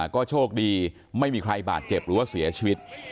ก็โชคดีไม่มีใครบาดเจ็บหรือว่าเสียชีวิต